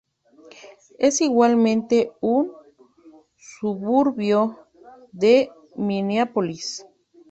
Es igualmente un suburbio de Mineápolis.